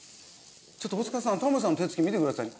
ちょっと大塚さんタモリさんの手つき見てください。